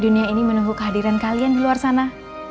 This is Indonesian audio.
dunia ini menunggu kehadiran kalian di luar sana